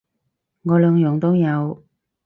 我兩樣都有